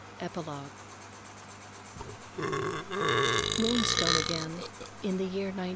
EPILOGUE Moonstone again, in the year 1909.